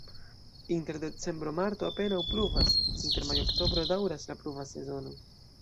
Inter decembro-marto apenaŭ pluvas, inter majo-oktobro daŭras la pluva sezono.